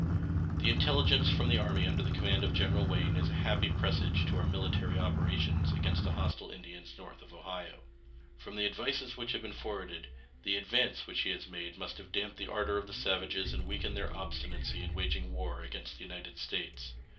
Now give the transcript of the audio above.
The intelligence from the army under the command of General Wayne is a happy presage to our military operations against the hostile Indians north of the Ohio. From the advices which have been forwarded, the advance which he has made must have damped the ardor of the savages and weakened their obstinacy in waging war against the United States.